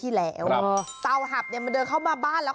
ก็เลยเชื่อว่าจะได้อีก